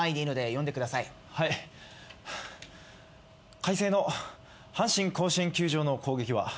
快晴の阪神甲子園球場の攻撃は。